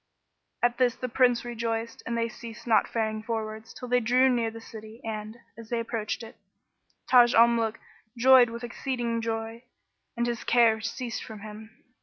At this the Prince rejoiced, and they ceased not faring forwards till they drew near the city and, as they approached it, Taj al Muluk joyed with exceeding joy, and his care ceased from him.